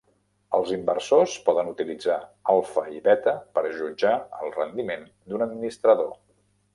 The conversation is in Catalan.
Els inversors poden utilitzar alfa i beta per jutjar el rendiment d'un administrador.